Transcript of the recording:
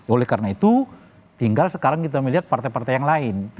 oleh karena itu tinggal sekarang kita melihat partai partai yang lain